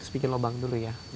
bikin lubang dulu ya